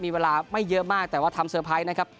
มีเวลาไม่เยอะมากแต่ว่าทำเตอร์ไพรส์นะครับ